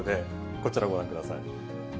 こちらご覧ください。